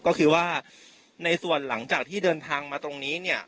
ก็คือว่าในส่วนหลังจากที่เดินทางมาตรงนี้เนี่ย